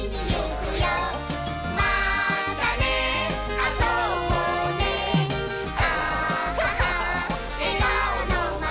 「またねあそぼうねあははえがおのまま」